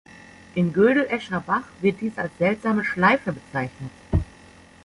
In "Gödel, Escher, Bach" wird dies als „Seltsame Schleife“ bezeichnet.